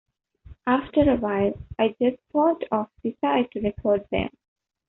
After a while, I just sort of decide to record them.